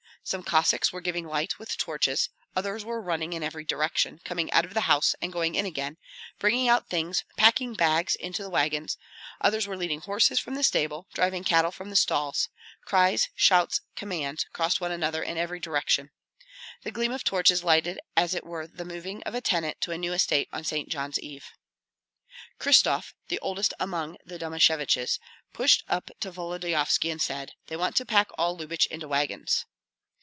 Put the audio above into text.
Some Cossacks were giving light with torches; others were running in every direction, coming out of the house and going in again, bringing out things, packing bags into the wagons; others were leading horses from the stable, driving cattle from the stalls. Cries, shouts, commands, crossed one another in every direction. The gleam of torches lighted as it were the moving of a tenant to a new estate on St. John's Eve. Kryshtof, the oldest among the Domasheviches, pushed up to Volodyovski and said, "They want to pack all Lyubich into wagons."